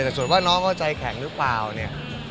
แต่ส่วนว่าน้องเขาใจแข็งหรือเปล่าเนี่ย